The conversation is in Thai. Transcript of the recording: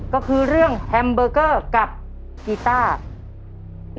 ก็คือเรื่องแฮมเบอร์เกอร์กับกีต้า